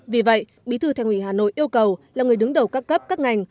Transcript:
vì vậy bí thư thành ủy hà nội yêu cầu là người đứng đầu các cấp các ngành